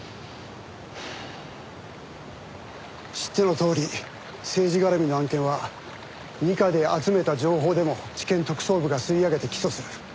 知ってのとおり政治絡みの案件は二課で集めた情報でも地検特捜部が吸い上げて起訴する。